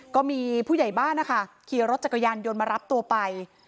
ก็มีผู้ใหญ่บ้านนะคะขี่รถจักรยานยนต์มารับตัวไป